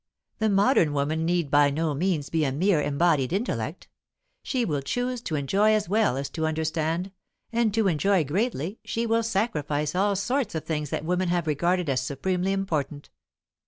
The modern woman need by no means be a mere embodied intellect; she will choose to enjoy as well as to understand, and to enjoy greatly she will sacrifice all sorts of things that women have regarded as supremely important.